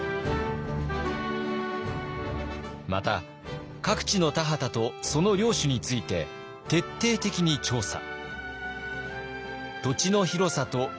また各地の田畑とその領主について徹底的に調査。